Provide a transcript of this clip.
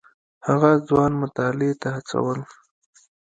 هغه ځوانان مطالعې ته وهڅول.